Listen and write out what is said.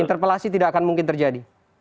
interpelasi tidak akan mungkin terjadi